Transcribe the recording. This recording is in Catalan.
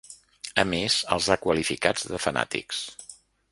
A més, els ha qualificats de ‘fanàtics’.